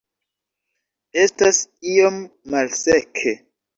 Estas iom malseke